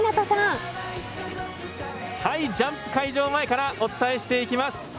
ジャンプ会場前からお伝えしていきます。